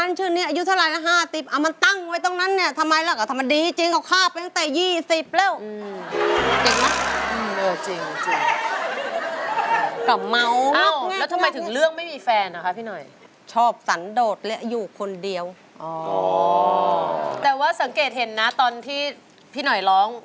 เป็นน้ำตาของความดีใจนะตื้นตัน